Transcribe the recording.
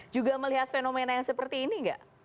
juga melihat fenomena yang seperti ini nggak